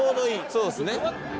そうですね。